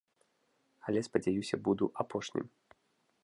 Але, спадзяюся, буду апошнім.